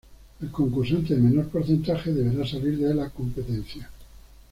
El concursante de menor porcentaje deberá salir de la competencia.